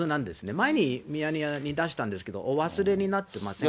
前にミヤネ屋に出したんですけど、お忘れになってませんか。